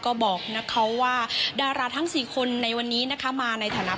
ก็บอกนะคะว่าดาราทั้ง๔คนในวันนี้นะคะมาในฐานะ